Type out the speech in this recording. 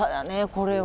これは。